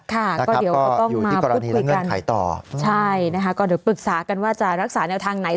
ค่ะก็เดี๋ยวก็ต้องมาพูดคุยกันใช่นะคะก็เดี๋ยวปรึกษากันว่าจะรักษาแนวทางไหน